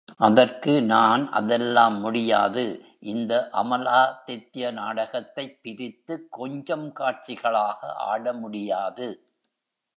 அதற்கு நான் அதெல்லாம் முடியாது இந்த அமலாதித்ய நாடகத்தைப் பிரித்துக் கொஞ்சம் காட்சிகளாக ஆட முடியாது.